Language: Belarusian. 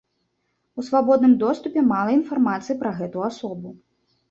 У свабодным доступе мала інфармацыі пра гэту асобу.